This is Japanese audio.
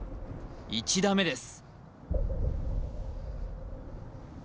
１打目です